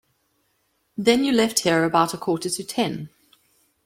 Then you left here about a quarter to ten.